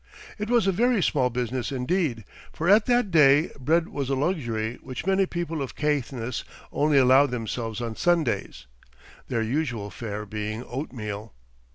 It was a very small business indeed; for at that day bread was a luxury which many people of Caithness only allowed themselves on Sundays; their usual fare being oatmeal.